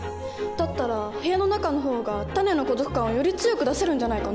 だったら部屋の中の方がタネの孤独感をより強く出せるんじゃないかな？